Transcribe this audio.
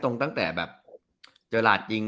ตรงแต่เจอราจยิง